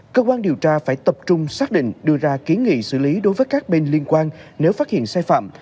cơ quan điều tra phải tập trung xác định đưa ra kiến nghị xử lý đối với các bên liên quan nếu phát hiện sai phạm